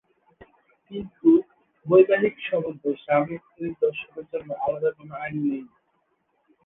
কিন্তু বৈবাহিক সম্বন্ধে, স্বামী -স্ত্রীর ধর্ষণের জন্য আলাদা কোন আইন নেই।